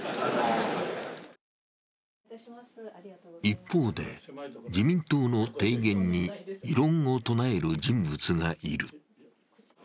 一方で、自民党の提言に異論を唱える人物がいる。